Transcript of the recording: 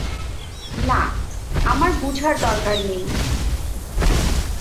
না, আমার বুঝার দরকার নেই।